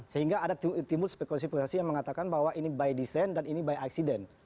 sehingga ada timbul spekulasi spekulasi yang mengatakan bahwa ini by design dan ini by accident